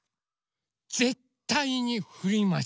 ぜったいにふります。